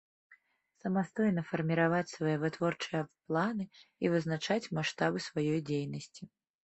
Самастойна фармiраваць свае вытворчыя планы i вызначаць маштабы сваёй дзейнасцi.